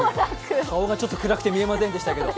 顔がちょっと暗くて見えませんでしたけど。